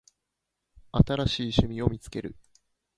新しい趣味を見つける